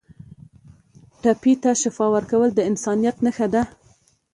ټپي ته شفا ورکول د انسانیت نښه ده.